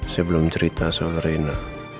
saya belum cerita soal rena